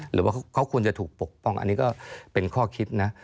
หรือว่าเขาควรจะถูกปกป้องอันนี้ก็เป็นข้อคิดนะ